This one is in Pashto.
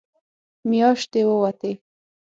مياشتې ووتې.